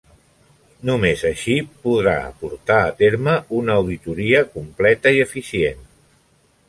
Només així podrà portar a terme una auditoria completa i eficient.